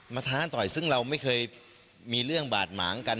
ท้าต่อยซึ่งเราไม่เคยมีเรื่องบาดหมางกัน